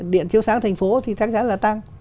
điện chiếu sáng thành phố thì chắc chắn là tăng